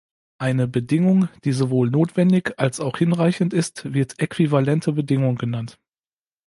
Eine Bedingung, die sowohl notwendig als auch hinreichend ist, wird äquivalente Bedingung genannt.